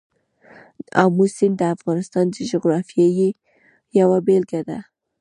آمو سیند د افغانستان د جغرافیې یوه بېلګه ده.